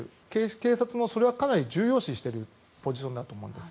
警察もそれはかなり重要視しているポジションだと思うんです。